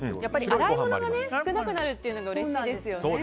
洗い物が少なくなるのがうれしいですよね。